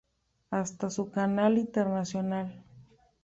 Hasta un canal internacional